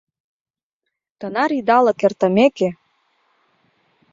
Тынар идалык эртымеке.